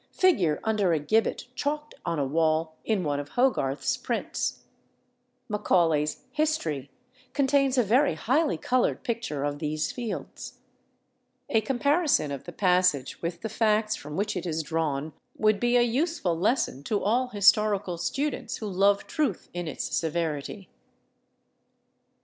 figure under a gibbet chalked on a wall in one of Hogarth's prints. Macaulay's History contains a very highly coloured picture of these Fields. A comparison of the passage with the facts from which it is drawn would be a useful lesson to all historical students who love truth in its severity.